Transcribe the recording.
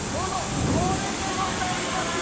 これでございますよ！